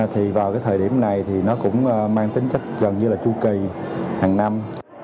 thì vào cái thời điểm này thì nó cũng mang tính chất gần như là chu kỳ hàng năm